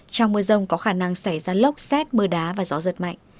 trong mưa rồng có khả năng xảy ra lốc xét mưa đá và gió rất mạnh